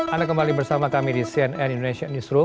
anda kembali bersama kami di cnn indonesia newsroom